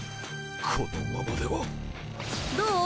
このままではどう？